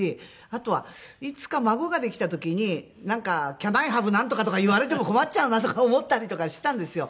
あとはいつか孫ができた時に「キャンアイハブなんとか」とか言われても困っちゃうなとか思ったりとかしてたんですよ。